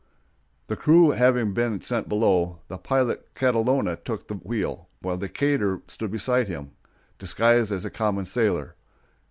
The crew having been sent below, the pilot Catalona took the wheel, while Decatur stood beside him, disguised as a common sailor.